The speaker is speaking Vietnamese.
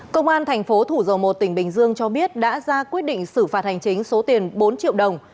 công an thành phố thủ dầu một tỉnh bình dương cho biết đã ra quyết định xử phạt hành chính số tiền bốn triệu đồng